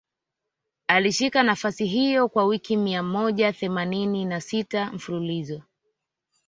Alishika nafasi hiyo kwa wiki mia moja themanini na sita mfululizo